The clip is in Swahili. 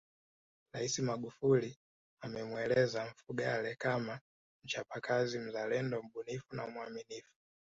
Rais Magufuli amemweleza Mfugale kama mchapakazi mzalendo mbunifu na mwaminifu